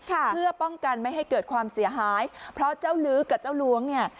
เพื่อป้องกันไม่ให้เกิดความเสียหายเพราะเจ้าลื้อกับเจ้าล้วงเนี่ย